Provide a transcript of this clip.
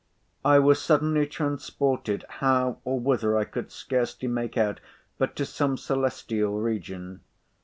I was suddenly transported, how or whither I could scarcely make out—but to some celestial region.